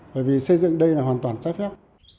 bởi vì xây dựng đây là hoàn toàn trái phép